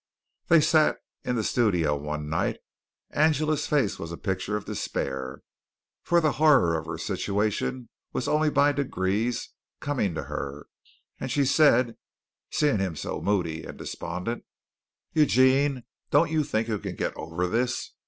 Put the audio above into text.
They sat in the studio one night. Angela's face was a picture of despair, for the horror of her situation was only by degrees coming to her, and she said, seeing him so moody and despondent: "Eugene, don't you think you can get over this?